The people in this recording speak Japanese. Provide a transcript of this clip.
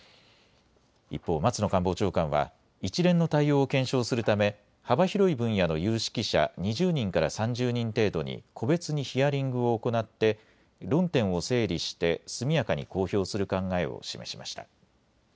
一方、松野官房長官は一連の対応を検証するため幅広い分野の有識者２０人から３０人程度に個別にヒアリングを行って論点を整理して速やかに公表する考えを示しました。